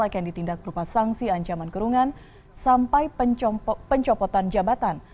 akan ditindak berupa sanksi ancaman kurungan sampai pencopotan jabatan